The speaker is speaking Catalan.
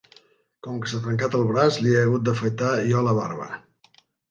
Com que s'ha trencat el braç, li he hagut d'afaitar jo la barba.